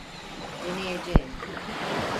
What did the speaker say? Deneyeceğim.